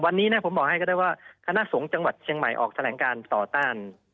วันนี้นะผมบอกให้ก็ได้ว่าคณะสงฆ์จังหวัดเชียงใหม่ออกแถลงการต่อต้าน